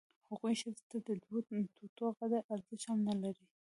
هغوی ښځې ته د دوه توتو قدر ارزښت هم نه لري.